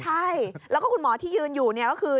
ใช่แล้วก็คุณหมอที่ยืนอยู่เนี่ยก็คือ